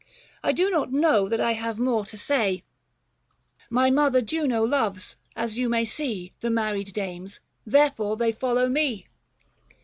I do not know that I have more to say ; 265 My mother Juno loves, as you may see, The married dames : therefore they follow me."